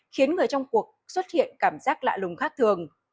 khiến người trong cuộc xuất hiện cảm giác lạ lùng khác thường